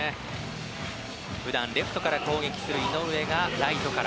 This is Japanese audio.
普段レフトから攻撃する井上がライトから。